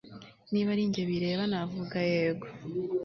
Niba ari njye bireba navuga yego